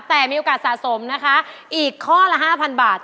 แต่มีโอกาสสะสมนะคะอีกข้อละ๕๐๐บาท